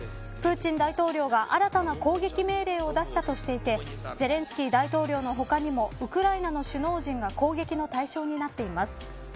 プーチン大統領が新たな攻撃命令を出したとしていてゼレンスキー大統領の他にもウクライナの首脳陣が攻撃の対象になっています。